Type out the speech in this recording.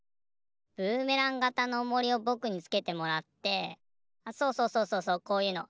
ブーメランがたのおもりをぼくにつけてもらってあっそうそうそうそうそうこういうの。